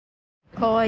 かわいい。